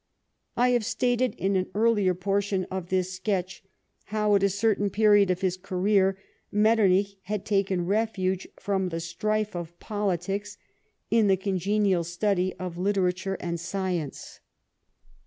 I have stated in an earlier portion of this sketch how, at a certain period of his career, Metternich had taken refuge from the strife of politics in the congenial study of literature and science.